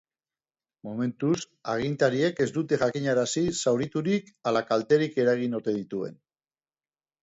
Momentuz, agintariek ez dute jakinarazi zauriturik ala kalterik eragin ote dituen.